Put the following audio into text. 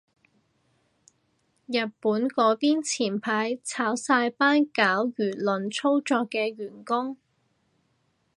日本嗰邊前排炒晒班搞輿論操作嘅員工